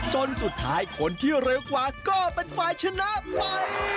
จนสุดท้ายคนที่เร็วกว่าก็เป็นฝ่ายชนะไป